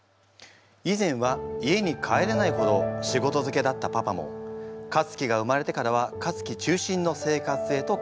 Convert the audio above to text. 以前は家に帰らないほど仕事づけだったパパもかつきが生まれてからはかつき中心の生活へと変わりました。